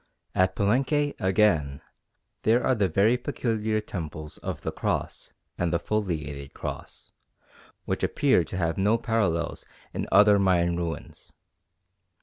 At Palenque, again, there are the very peculiar Temples of the Cross and the Foliated Cross, which appear to have no parallels in other Mayan ruins.